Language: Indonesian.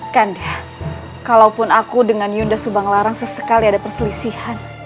kanda kalaupun aku dengan yunda subanglarang sesekali ada perselesihan